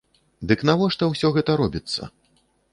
Дык навошта ўсё гэта робіцца?